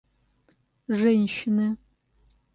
женщины